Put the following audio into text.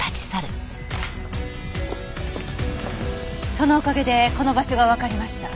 そのおかげでこの場所がわかりました。